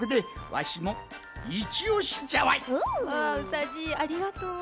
わうさじいありがとう！